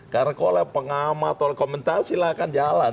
karena kalau pengamat atau komentar silahkan jalan